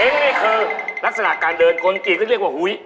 นี่คือลักษณะการเดินคนกรีดก็เรียกว่าหุ้ย